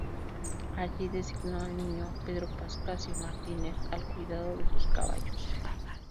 Allí designó al niño Pedro Pascasio Martínez al cuidado de sus caballos.